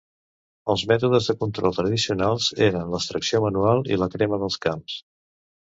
Els mètodes de control tradicionals eren l'extracció manual i la crema dels camps.